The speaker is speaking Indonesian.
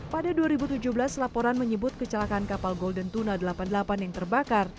pada dua ribu tujuh belas laporan menyebut kecelakaan kapal golden tuna delapan puluh delapan yang terbakar